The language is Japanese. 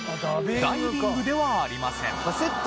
ダイビングではありません。